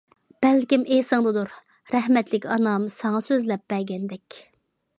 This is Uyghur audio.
بەلكىم ئېسىڭدىدۇر، رەھمەتلىك ئانام ساڭا سۆزلەپ بەرگەندەك.